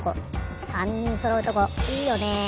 ３にんそろうとこいいよね。